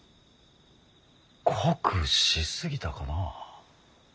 濃くし過ぎたかな。